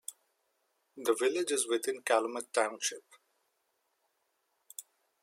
The village is within Calumet Township.